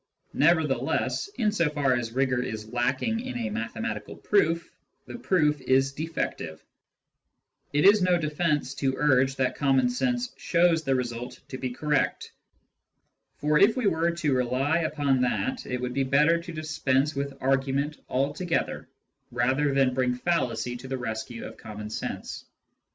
Nevertheless, in so far as rigour is lacking in a mathematical proof, the proof is defective ; it is no defence to urge that common sense shows the result to be correct, for if we were to rely upon that, it would be better to dispense with argument altogether, 144 Incompatibility and the Theory of Deduction 145 rather than bring fallacy to the rescue of common sense.